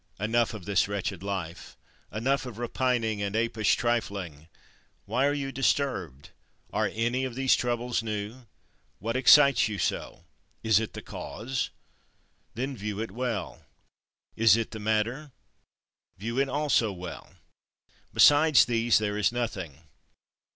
37. Enough of this wretched life: enough of repining and apish trifling. Why are you disturbed? Are any of these troubles new? What excites you so? Is it the cause? Then view it well. Is it the matter? View it also well. Besides these there is nothing.